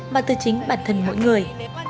mà từ chính bản thân mỗi người